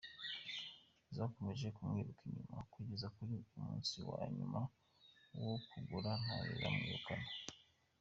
Zakomeje kumwiruka inyuma kugeza kuri uyu munsi wa nyuma wokugura ntayo iramwegukana.